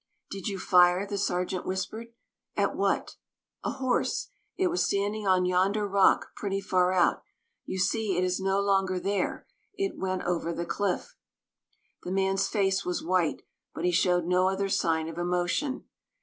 "Did you fire?" the sergeant whispered. "Yes." "At what?" "A horse. It was standing on yonder rock pretty far out. You see it is no longer there. It went over the cliff." The man's face was white, but he showed no other sign of emotion.